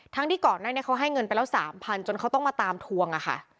ทั้งที่ก่อนหน้าเขาให้เงินไปแล้ว๓๐๐๐จนเขาต้องมาตามทวง